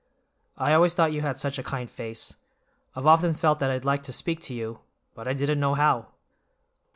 I always thought you had such a kind face. I've often felt that I'd like to speak to you, but I didn't know how."